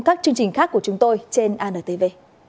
các chương trình khác của chúng tôi trên antv